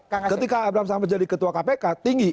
ketika abraham samad jadi ketua kpk tinggi